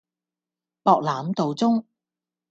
博覽道中